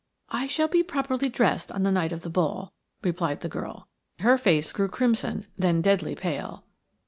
"I shall be properly dressed on the night of the ball," replied the girl. Her face grew crimson, then deadly pale.